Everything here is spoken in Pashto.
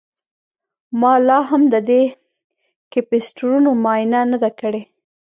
ما لاهم د دې کیپیسټرونو معاینه نه ده کړې